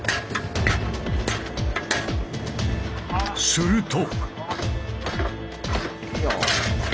すると。